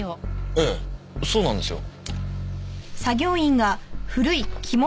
ええそうなんですよ。